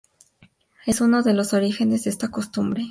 Este es uno de los orígenes de esta costumbre.